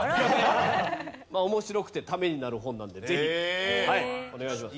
面白くてためになる本なのでぜひお願いします。